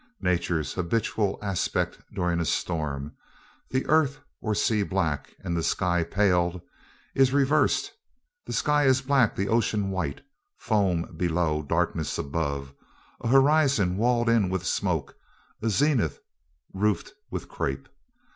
Nature's habitual aspect during a storm, the earth or sea black and the sky pale, is reversed; the sky is black, the ocean white, foam below, darkness above; a horizon walled in with smoke; a zenith roofed with crape.